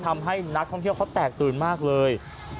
ทำให้นักท่องเที่ยวเขาแตกตื่นมากเลย